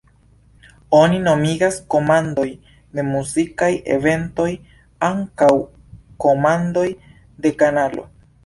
Oni nomigas komandoj de muzikaj eventoj ankaŭ komandoj de kanalo.